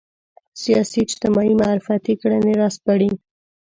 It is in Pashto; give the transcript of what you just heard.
سیاسي اجتماعي معرفتي کړنې راسپړي